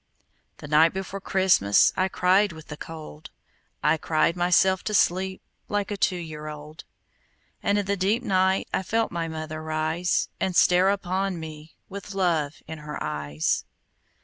The night before Christmas I cried with the cold, I cried myself to sleep Like a two year old. And in the deep night I felt my mother rise, And stare down upon me With love in her eyes.